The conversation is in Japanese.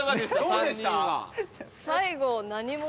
３人は。